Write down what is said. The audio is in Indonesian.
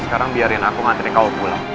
sekarang biarin aku ngantri kau pulang